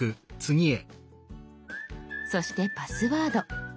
そしてパスワード。